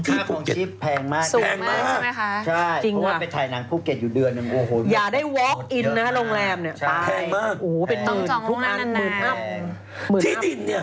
ที่ดินเนี่ย